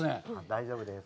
大丈夫です。